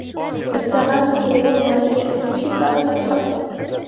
السعادة العظمى هي أن تُحِب أو تُحَب.